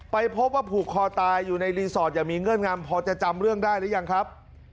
ไปพบว่าผูกคอตายอยู่ในรีสอร์ทอย่างมีเงื่อนงำพอจะจำเรื่องได้หรือยังครับ